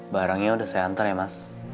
barangnya udah saya anter ya mas